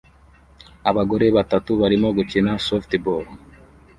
Abagore batatu barimo gukina softball